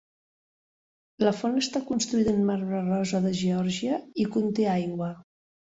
La font està construïda en marbre rosa de Geòrgia i conté aigua.